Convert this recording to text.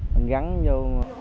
mình gắn vô